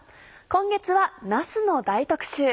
今月はなすの大特集。